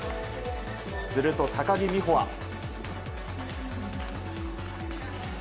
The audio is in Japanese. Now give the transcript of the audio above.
すると高木美帆は。